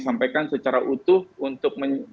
sampaikan secara utuh untuk